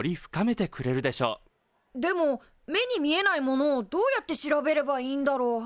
でも目に見えないものをどうやって調べればいいんだろう？